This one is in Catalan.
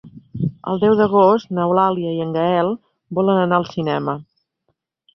El deu d'agost n'Eulàlia i en Gaël volen anar al cinema.